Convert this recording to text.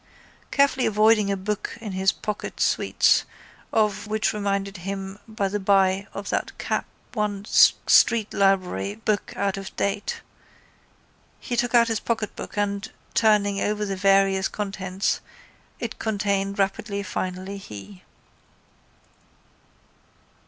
Carefully avoiding a book in his pocket Sweets of, which reminded him by the by of that Capel street library book out of date, he took out his pocketbook and, turning over the various contents it contained rapidly finally he.